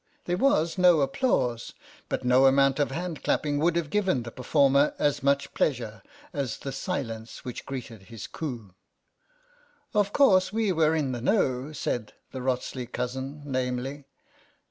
There was no applause, but no amount of hand clapping would have given the performer as much pleasure as the silence which greeted his coup. *'0f course, we were in the know," said the Wrotsley cousin lamely.